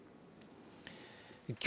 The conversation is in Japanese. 今日